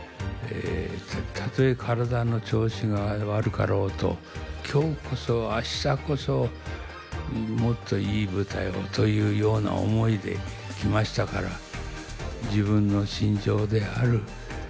たとえ体の調子が悪かろうと「今日こそ明日こそもっといい舞台を」というような思いできましたから自分の信条である